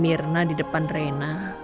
mirna di depan reina